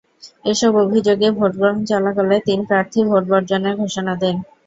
এসব অভিযোগে, ভোট গ্রহণ চলাকালে তিন প্রার্থী ভোট বর্জনের ঘোষণা দেন।